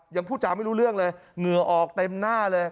พูดจาไม่รู้เรื่องเลยเหงื่อออกเต็มหน้าเลย